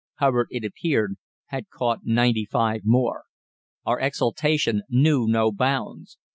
Hubbard, it appeared, had caught ninety five more. Our exultation knew no bounds.